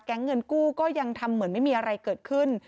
เงินกู้ก็ยังทำเหมือนไม่มีอะไรเกิดขึ้น